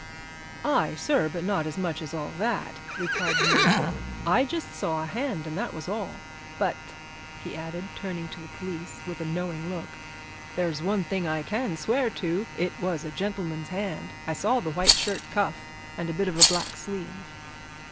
"Aye, sir, but not as much as all that!" replied the mason. "I just saw a hand and that was all. But," he added, turning to the police with a knowing look, "there's one thing I can swear to it was a gentleman's hand! I saw the white shirt cuff and a bit of a black sleeve!"